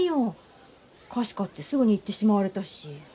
菓子買ってすぐに行ってしまわれたし。